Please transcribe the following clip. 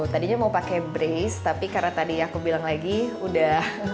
tadinya mau pakai brace tapi karena tadi aku bilang lagi udah